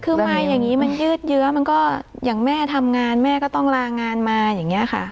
คือมาอย่างนี้มันยืดเยื้อมันก็อย่างแม่ทำงานแม่ก็ต้องลางานมาอย่างนี้ค่ะ